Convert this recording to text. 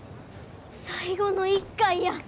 最後の一回や。